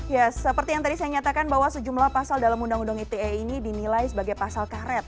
ya seperti yang tadi saya nyatakan bahwa sejumlah pasal dalam undang undang ite ini dinilai sebagai pasal karet